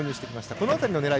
この辺りの狙い